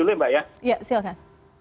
saya boleh lanjut dulu ya mbak ya